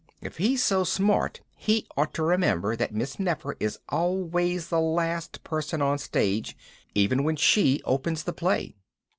If he's so smart he ought to remember that Miss Nefer is always the last person on stage, even when she opens the play.